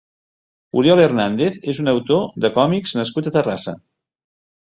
Oriol Hernández és un autor de còmics nascut a Terrassa.